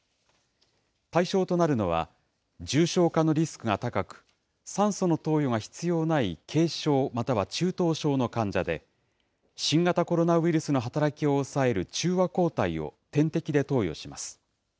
対象となるのは重症化のリスクが高く、酸素の投与が必要ない軽症または中等症の患者で、新型コロナウイルスの働きを抑える中和抗体を点滴で投与します。